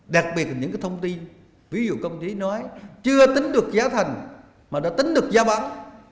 đặc biệt là những cái thông tin ví dụ công ty nói chưa tính được giá thành mà đã tính được giá bán